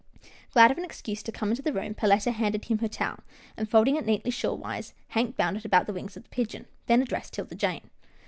Glad of an excuse to come into the room, Perletta handed him her towel, and, folding it neatly shawl wise. Hank bound it about the wings of the pigeon, then addressed 'Tilda Jane.